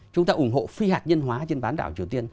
chúng ta ủng hộ phi hạt nhân hóa trên bán đảo triều tiên